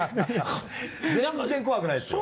全然怖くないですよ。